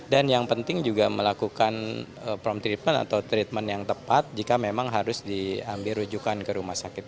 dan yang penting juga melakukan prompt treatment atau treatment yang tepat jika memang harus diambil rujukan ke rumah sakit